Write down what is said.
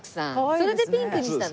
それでピンクにしたの？